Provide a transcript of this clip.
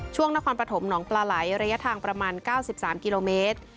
ช่วงนครปฐมหนองปลาไหลระยะทางประมาณ๙๓กิโลเมตร